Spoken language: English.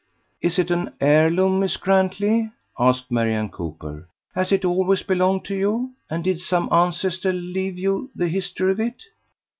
"Is it an heirloom, Miss Grantley?" asked Marian Cooper. "Has it always belonged to you, and did some ancestor leave you the history of it?"